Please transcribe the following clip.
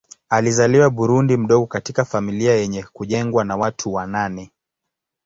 Alizaliwa Burundi mdogo katika familia yenye kujengwa na watu wa nane.